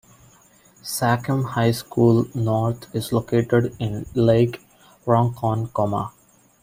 Sachem High School North is located in Lake Ronkonkoma.